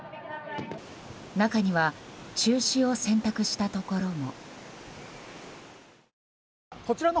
中には中止を選択したところも。